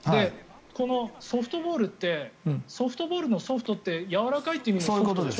ソフトボールってソフトボールのソフトってやわらかいという意味のソフトでしょ。